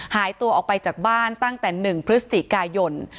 หายตัวออกไปจากบ้านตั้งแต่๑พฤศจิกายน